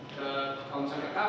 kalau misalnya ke cafe